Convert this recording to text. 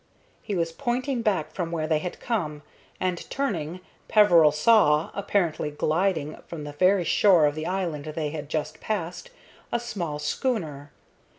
He was pointing back from where they had come; and, turning, Peveril saw, apparently gliding from the very shore of the island they had just passed, a small schooner.